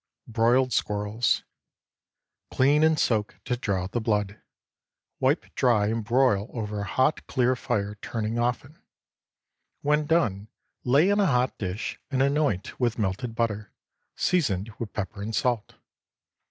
BROILED SQUIRRELS. Clean and soak to draw out the blood. Wipe dry and broil over a hot, clear fire, turning often. When done, lay in a hot dish and anoint with melted butter, seasoned with pepper and salt.